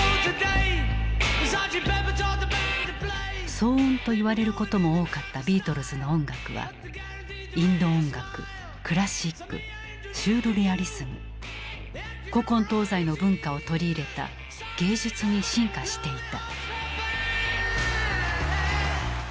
騒音と言われることも多かったビートルズの音楽はインド音楽クラシックシュールレアリスム古今東西の文化を取り入れた芸術に進化していた。